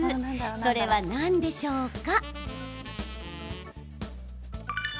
それは何でしょうか？